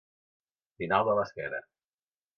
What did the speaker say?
Final de l'esquena.